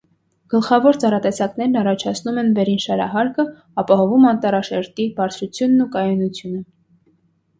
Գլխավոր ծառատեսակներն առաջացնում են վերին շարահարկը, ապահովում անտառաշերտի բարձրությունն ու կայունությունը։